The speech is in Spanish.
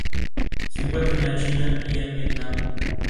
Se acusó a Cosentino de haber alentado la destitución de Perl.